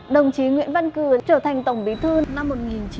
đồng chí nguyễn văn cừ trở thành tổng bí thư năm một nghìn chín trăm ba mươi tám